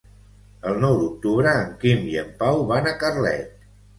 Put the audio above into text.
El nou d'octubre en Quim i en Pau van a Carlet.